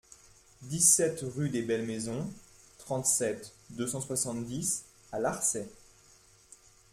dix-sept rue des Belles Maisons, trente-sept, deux cent soixante-dix à Larçay